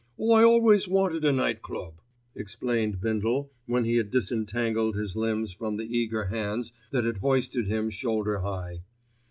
"I always wanted a night club," explained Bindle when he had disentangled his limbs from the eager hands that had hoisted him shoulder high.